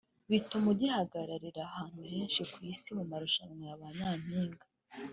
bituma ugihagararira ahantu henshi ku isi mu marushanwa ya ba Nyampinga